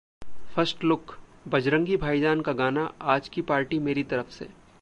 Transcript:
First look: 'Bajrangi Bhaijaan' का गाना 'आज की पार्टी मेरी तरफ से'